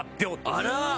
あら！